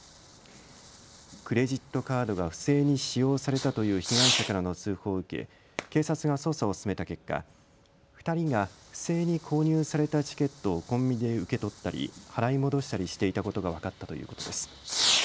クレジットカードが不正に使用されたという被害者からの通報を受け警察が捜査を進めた結果、２人が不正に購入されたチケットをコンビニで受け取ったり払い戻したりしていたことが分かったということです。